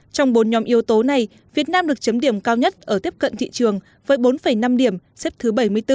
trong bốn nhóm yếu tố này việt nam được chấm điểm cao nhất ở tiếp cận thị trường với bốn năm điểm xếp thứ bảy mươi bốn